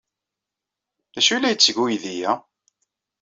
D acu ay la yetteg uydi-a?